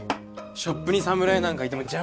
ショップに侍なんかいても邪魔なだけだし。